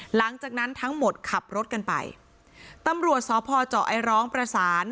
หลังจากนั้นทั้งหมดขับรถกันไปตำรวจสพเจาะไอร้องประสาน